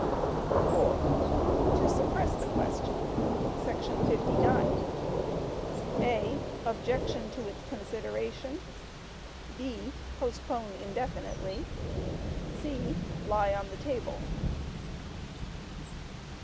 (4) To Suppress the question ……………………………[§ 59] (a) Objection to its Consideration. (b) Postpone Indefinitely. (c) Lie on the Table.